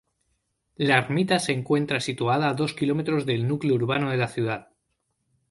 La ermita se encuentra situada a dos kilómetros del núcleo urbano de la ciudad.